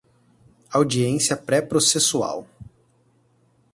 Audiência pré-processual